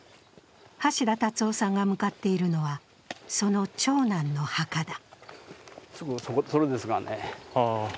橋田達夫さんが向かっているのは、その長男の墓だ。